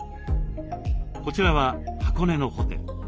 こちらは箱根のホテル。